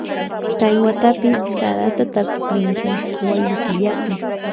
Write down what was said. Kay watapi sarata tarpukrinchi wayru killapi.